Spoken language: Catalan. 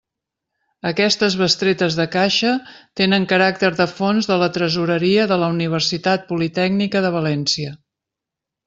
Aquestes bestretes de caixa tenen caràcter de fons de la Tresoreria de la Universitat Politècnica de València.